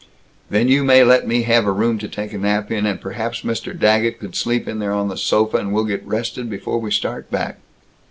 "Then you may let me have a room to take a nap in, and perhaps Mr. Daggett could sleep in there on the sofa, and we'll get rested before we start back."